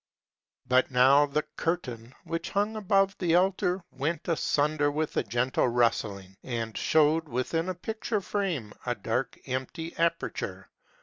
But now. the curtain, which hung down above the altar, went asunder with a gentle rustling, and showed, within a picture frame, a dark, empty aperture.